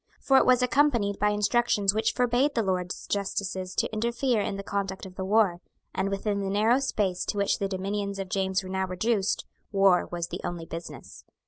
For it was accompanied by instructions which forbade the Lords justices to interfere in the conduct of the war; and, within the narrow space to which the dominions of James were now reduced, war was the only business.